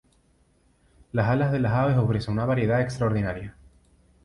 Las alas de las aves ofrecen una variedad extraordinaria.